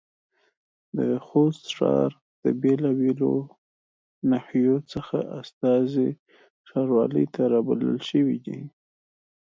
د خوست ښار د بېلابېلو ناحيو څخه استازي ښاروالۍ ته رابلل شوي دي.